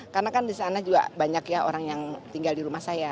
karena kan disana juga banyak ya orang yang tinggal di rumah saya